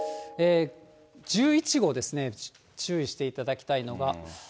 １１号ですね、注意していただきたいのが。